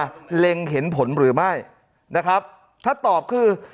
โดยเล็งเห็นผลหรือไม่ถ้าตอบคือ